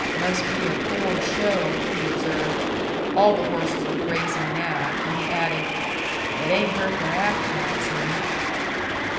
"Must be a poor show," he observed. All the horses were grazing now, and he added, "It ain't hurt their appetites any."